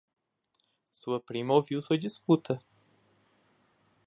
Sua prima ouviu sua disputa